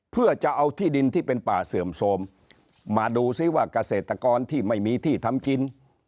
เพื่อจะเอาที่ดินที่เป็นป่าเสื่อมโทรมมาดูซิว่าเกษตรกรที่ไม่มีที่ทำกิน